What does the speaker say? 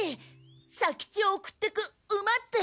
左吉を送ってく馬って。